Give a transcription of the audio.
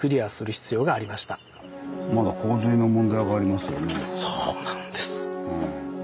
まだそうなんです。